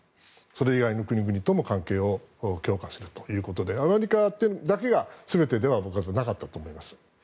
それ以外の国々とも関係を強化するということでアメリカだけが全てではなかったと思います。